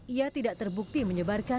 ia tidak terbukti menyebarkan